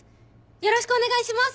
よろしくお願いします！